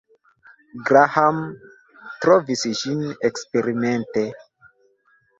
Graham trovis ĝin eksperimente.